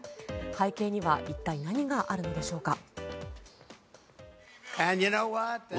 背景には一体、何があるのでしょうか。